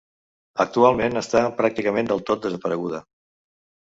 Actualment està pràcticament del tot desapareguda.